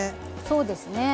そうですね。